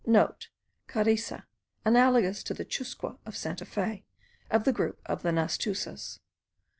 (* Carice, analogous to the chusque of Santa Fe, of the group of the Nastusas.